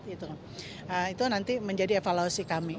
itu nanti menjadi evaluasi kami